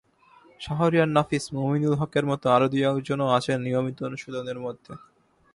শাহরিয়ার নাফীস, মুমিনুল হকের মতো আরও দু-একজনও আছেন নিয়মিত অনুশীলনের মধ্যে।